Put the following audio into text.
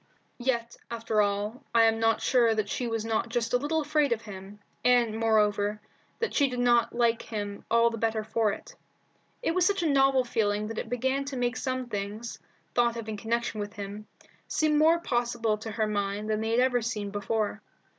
Yet, after all, I am not sure that she was not just a little afraid of him, and, moreover, that she did not like him all the better for it. It was such a novel feeling that it began to make some things, thought of in connection with him, seem more possible to her mind than they had ever seemed before.